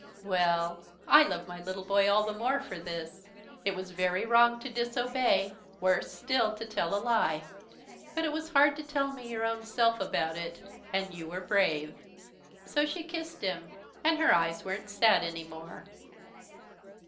"Well I love my little boy all the more for this. It was very wrong to disobey, worse still to tell a lie. But it was hard to tell me your own self about it and you were brave." So she kissed him. And her eyes weren't sad any more.